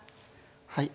はい。